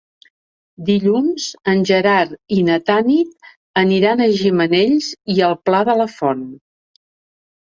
Dilluns en Gerard i na Tanit aniran a Gimenells i el Pla de la Font.